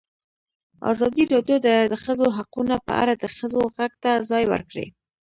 ازادي راډیو د د ښځو حقونه په اړه د ښځو غږ ته ځای ورکړی.